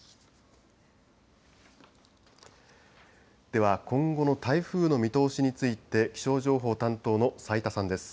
では、今後の台風の見通しについて気象情報担当の斉田さんです。